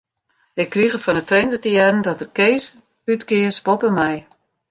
Ik krige fan 'e trainer te hearren dat er Kees útkeas boppe my.